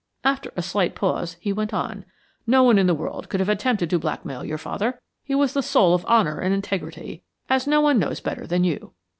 After a slight pause he went on: "No one in the world could have attempted to blackmail your father. He was the soul of honor and integrity, as no one knows better than you.